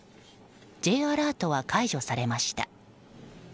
Ｊアラートは解除されました。